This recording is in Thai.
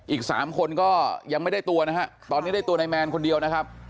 อีกสามคนก็ยังไม่ได้ตัวนะฮะตอนนี้ได้ตัวนายแมนคนเดียวนะครับ